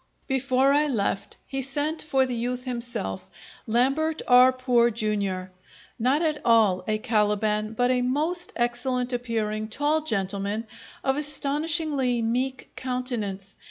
Before I left, he sent for the youth himself, Lambert R. Poor, Jr., not at all a Caliban, but a most excellent appearing, tall gentleman, of astonishingly meek countenance.